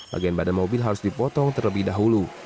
bagian badan mobil harus dipotong terlebih dahulu